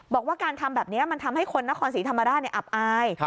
บอกว่าการทำแบบนี้มันทำให้คนนครศรีธรรมราชอับอาย